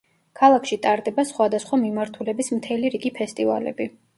ქალაქში ტარდება სხვადასხვა მიმართულების მთელი რიგი ფესტივალები.